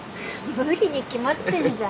無理に決まってんじゃん。